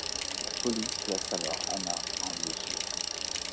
La police place alors Hannah en lieu sûr.